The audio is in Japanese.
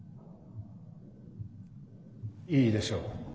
いいでしょう。